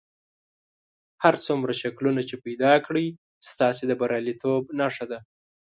هر څومره شکلونه چې پیدا کړئ ستاسې د بریالیتوب نښه ده.